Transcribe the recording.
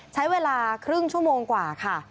ใช้เวลาครึ่งชั่วโมงกว่าค่ะ